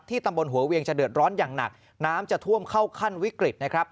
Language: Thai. ตำบลหัวเวียงจะเดือดร้อนอย่างหนักน้ำจะท่วมเข้าขั้นวิกฤตนะครับ